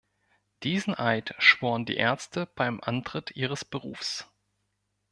Diesen Eid schworen die Ärzte beim Antritt ihres Berufs.